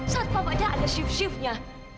saat papa dia ada shift shiftnya